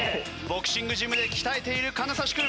ボクシングジムで鍛えている金指君。